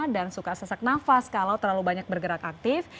dan suka sesak nafas kalau terlalu banyak bergerak aktif